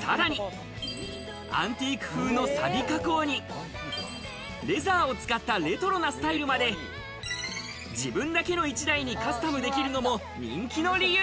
さらに、アンティーク風のさび加工にレザーを使ったレトロなスタイルまで、自分だけの１台にカスタムできるのも人気の理由。